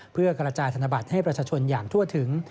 เพื่อกระจายธนบัตรให้ประชาชนอย่างทั่วถึง